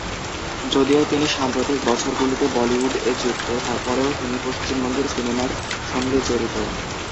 যদিও তিনি সাম্প্রতিক বছরগুলোতে বলিউড-এ যুক্ত, তারপরেও তিনি পশ্চিমবঙ্গের সিনেমার সঙ্গে জড়িত।